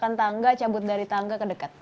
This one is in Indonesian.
cabut dari tangga cabut dari tangga ke dekat